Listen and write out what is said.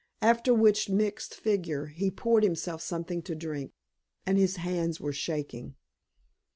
After which mixed figure, he poured himself something to drink, and his hands were shaking.